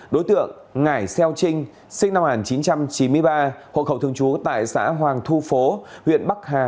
đối tượng ngải xeo trinh sinh năm một nghìn chín trăm chín mươi ba hộ khẩu thường trú tại xã hoàng thu phố huyện bắc hà